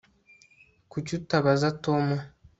kuki utabaza tom